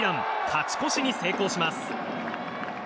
勝ち越しに成功します。